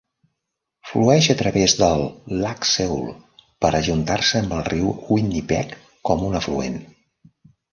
Flueix a través del Lac Seul per ajuntar-se amb el riu Winnipeg com un afluent.